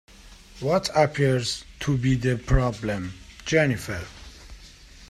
What appears to be the problem, Jennifer?